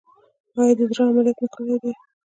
ایا د زړه عملیات مو کړی دی؟